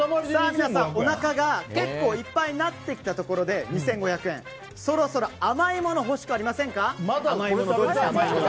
皆さん、おなかが結構いっぱいになってきたところで２５００円、そろそろ甘いもの欲しくないですか？